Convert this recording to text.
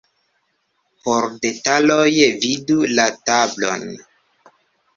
Por detaloj vidu la tablon.